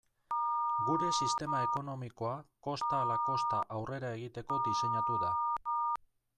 Gure sistema ekonomikoa kosta ala kosta aurrera egiteko diseinatu da.